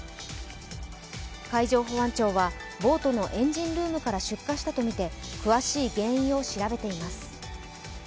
海上保安庁はボートのエンジンルームから出火したとみて詳しい原因を調べています。